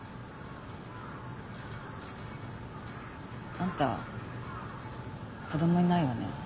あんた子供いないわね。